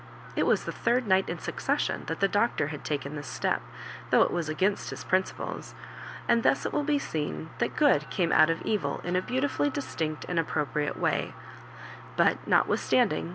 It was the third night in succession that the Doctor had taken this step, though it was against his principles; and thus it will be seen that good came out of evil in a beautifully distinct and appropriate way ; but, notwithstand ing.